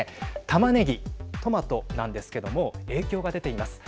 タマネギトマトなんですけれども影響が出ています。